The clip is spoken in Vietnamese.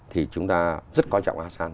thì chúng ta rất quan trọng asean